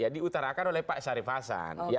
diutarakan oleh pak syarif hasan